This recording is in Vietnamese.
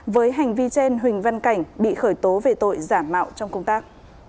với hành vi trên huỳnh văn cảnh bị khởi tố về tội giả mạo trong công tác